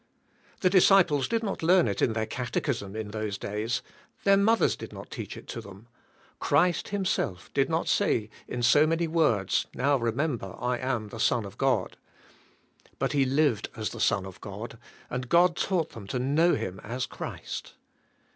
The disciples did not learn it in their catechism in those days; their mothers did not teach it to them; Christ, Himself, did not say in so many words, " Now remember, I am the Son of God." But He lived as the Son of God, and God taught them to know Him as Christ.